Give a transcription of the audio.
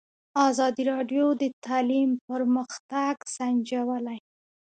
ازادي راډیو د تعلیم پرمختګ سنجولی.